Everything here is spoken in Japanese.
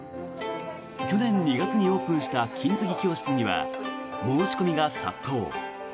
去年２月にオープンした金継ぎ教室には申し込みが殺到。